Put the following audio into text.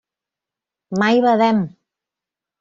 Mai Badem!